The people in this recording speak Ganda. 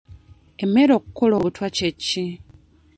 Emmere okukola obutwa kye ki?